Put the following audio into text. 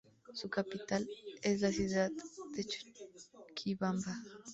Su capital es la ciudad de Chuquibamba.